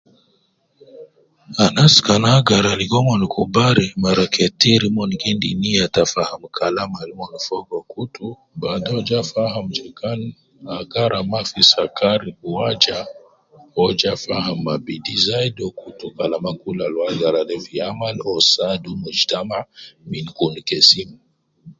Anas kan agara ligo mon kubari mara ketir mon gi endi niya ta faham Kalam al mon fogo kutu baden ja faham je gal agara ma fi sakar gi waja ,uwo ja faham ma bidi zaidi uwo kutu kalama kul al uwo agara de fi amal, uwo saadu mujtama min kun kesim